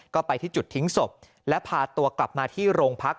ก็ไปที่จุดทิ้งศพและพาตัวกลับมาที่โรงพัก